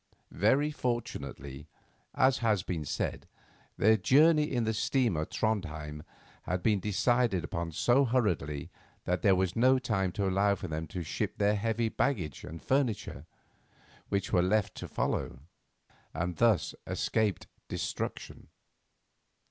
Very fortunately, as has been said, their journey in the steamer Trondhjem had been decided upon so hurriedly that there was no time to allow them to ship their heavy baggage and furniture, which were left to follow, and thus escaped destruction.